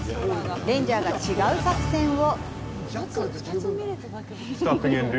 レンジャーが違う作戦を。